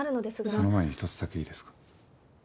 その前に一つだけいいですか？